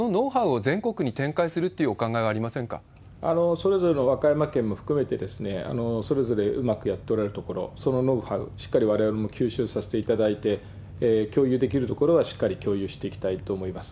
それぞれの、和歌山県も含めて、それぞれうまくやっておられる所、そのノウハウ、しっかりわれわれも吸収させていただいて、共有できるところはしっかり共有していきたいと思います。